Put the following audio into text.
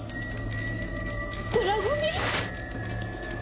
プラゴミ？